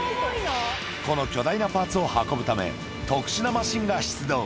この巨大なパーツを運ぶため、特殊なマシンが出動。